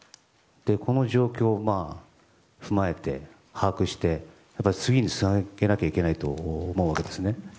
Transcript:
この状況を踏まえて把握して次につなげなきゃいけないと思うわけですね。